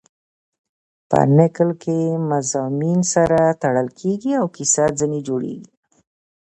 په نکل کښي مضامین سره تړل کېږي او کیسه ځیني جوړېږي.